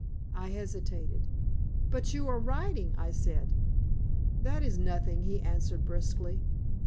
I hesitated. "But you are riding," I said. "That is nothing," he answered, briskly.